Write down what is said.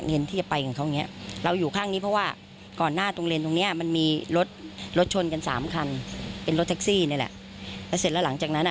แล้วก็ก็ขอท้อนทรักให้เราบ้าง